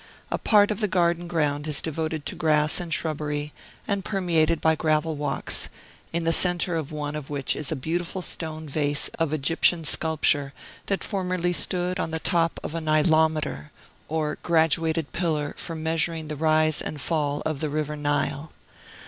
A part of the garden ground is devoted to grass and shrubbery, and permeated by gravel walks, in the centre of one of which is a beautiful stone vase of Egyptian sculpture, that formerly stood on the top of a Nilometer, or graduated pillar for measuring the rise and fall of the river Nile.